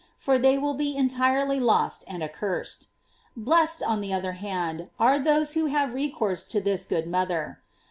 for they will be entirely lost and accursed! Blessed, on the other hand, are those who have recourse to this good mother!